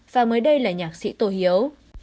và mới đây là nhạc sĩ tô hiếu